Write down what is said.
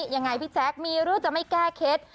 ยังไงพี่แจ๊คมีหรือจะไม่แก้เคล็ด